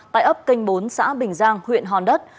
tại ấp kinh bốn xã bình giang huyện hòn đất